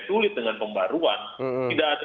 sulit dengan pembaruan tidak ada